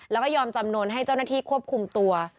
แล้วก็ยอมจำนวนให้เจ้าหน้าที่ควบคุมตัว